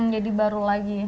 jadi baru lagi